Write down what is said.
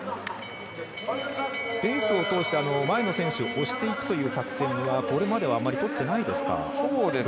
レースを通して、前の選手を押していく作戦はここまではあまりとってないですか？